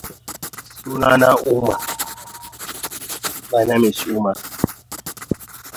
Baking the tape will not restore magnetization.